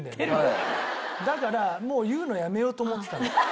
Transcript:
だからもう言うのやめようと思ってたの。